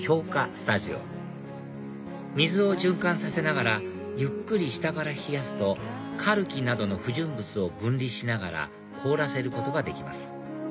スタジオ水を循環させながらゆっくり下から冷やすとカルキなどの不純物を分離しながら凍らせることができます